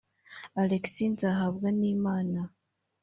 Alexis Nzahabwanimana